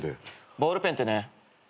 ボールペンってね。